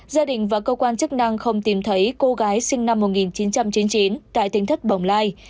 gia đình và cơ quan chức năng không tìm thấy cô gái sinh năm một nghìn chín trăm chín mươi chín tại tỉnh thất bồng lai